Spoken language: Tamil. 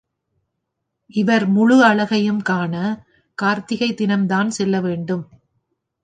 இவர் முழு அழகையும் காண, கார்த்திகை தினம்தான் செல்ல வேண்டும்.